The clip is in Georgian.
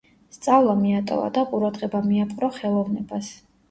სწავლა მიატოვა და ყურადღება მიაპყრო ხელოვნებას.